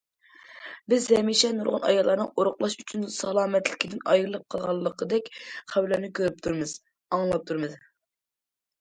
بىز ھەمىشە نۇرغۇن ئاياللارنىڭ ئورۇقلاش ئۈچۈن سالامەتلىكىدىن ئايرىلىپ قالغانلىقىدەك خەۋەرلەرنى كۆرۈپ تۇرىمىز، ئاڭلاپ تۇرىمىز.